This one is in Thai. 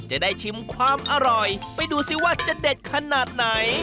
จะได้ชิมความอร่อยไปดูสิว่าจะเด็ดขนาดไหน